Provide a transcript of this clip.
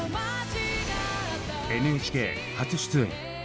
ＮＨＫ初出演。